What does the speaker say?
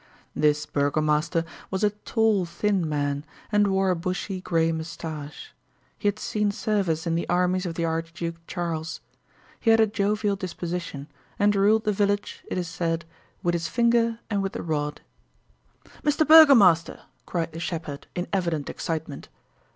This burgomaster was a tall, thin man, and wore a bushy gray mustache. He had seen service in the armies of the Archduke Charles. He had a jovial disposition, and ruled the village, it is said, with his finger and with the rod. "Mr. Burgomaster," cried the shepherd in evident excitement.